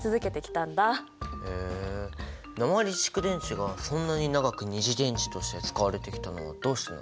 へえ鉛蓄電池がそんなに長く二次電池として使われてきたのはどうしてなの？